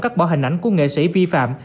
cắt bỏ hình ảnh của nghệ sĩ vi phạm